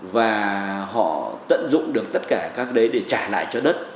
và họ tận dụng được tất cả các đấy để trả lại cho đất